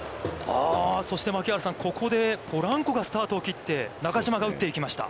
そして槙原さん、ここでポランコがスタートを切って中島が打っていきました。